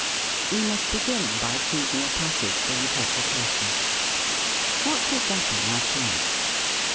We must begin by choosing a passage for interpretation. What shall govern our choice?